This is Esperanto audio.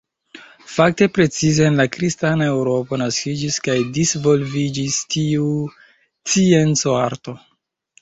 Fakte precize en la kristana eŭropo naskiĝis kaj disvolviĝis tiu scienco-arto.